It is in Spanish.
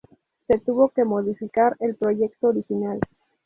Se tuvo que modificar el proyecto original.